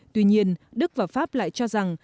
tuy nhiên đức và pháp lại cho rằng